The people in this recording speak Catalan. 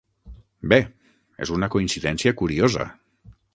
Bé, és una coincidència curiosa.